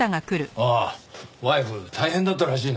あっワイフ大変だったらしいな。